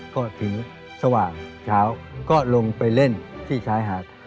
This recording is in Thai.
ก็ถึงสว่างเช้าก็ลงไปเล่นที่ชายหาด